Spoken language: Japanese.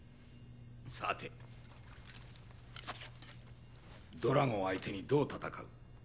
さてドラゴン相手にどう戦う？